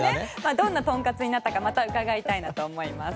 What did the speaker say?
どんな豚カツになったかまた伺いたいと思います。